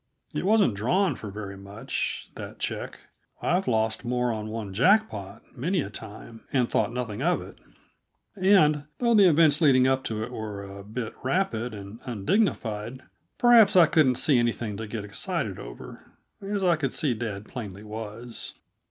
It wasn't drawn for very much, that check; I've lost more on one jack pot, many a time, and thought nothing of it. And, though the events leading up to it were a bit rapid and undignified, perhaps, I couldn't see anything to get excited over, as I could see dad plainly was.